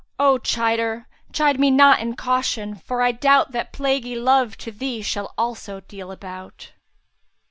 O chider, chide me not in caution, for I doubt * That plaguey Love to thee shall also deal a bout."